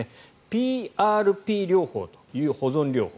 ＰＲＰ療法という保存療法。